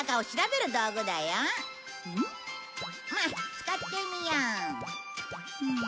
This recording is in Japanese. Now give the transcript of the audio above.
まあ使ってみよう。